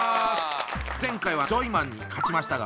前回はジョイマンに勝ちましたが。